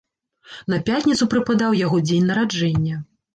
На пятніцу прыпадаў яго дзень нараджэння.